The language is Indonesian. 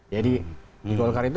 jadi di golkar itu